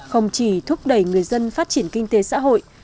không chỉ thúc đẩy người dân phát triển kinh tế xã hội